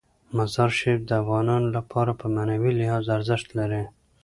مزارشریف د افغانانو لپاره په معنوي لحاظ ارزښت لري.